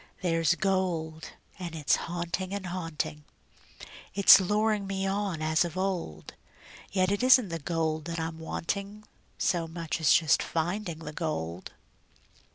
There's gold, and it's haunting and haunting; It's luring me on as of old; Yet it isn't the gold that I'm wanting So much as just finding the gold.